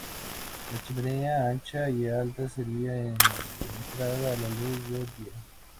La chimenea ancha y alta servía de entrada a la luz del día.